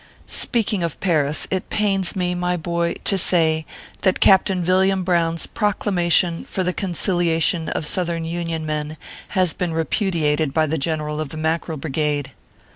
Speaking of Paris, it pains me, my boy, to say, that Captain Villiam Brown s Proclamation for the conciliation of southern Union men has been re pudiated by the General of the Mackerel Brigade.